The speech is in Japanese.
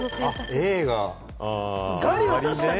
Ａが。